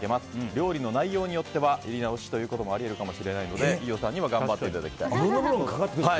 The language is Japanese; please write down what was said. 料理の内容によってはやり直しもあるかもしれないので飯尾さんには頑張っていただきたいです。